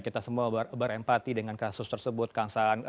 kita semua berempati dengan kasus tersebut kangsaan